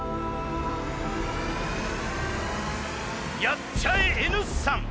やっちゃえＮ産。